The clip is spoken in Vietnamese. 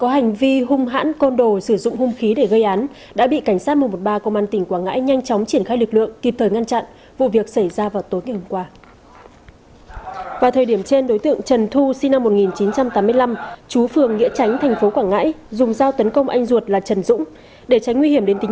hãy đăng ký kênh để ủng hộ kênh của chúng mình nhé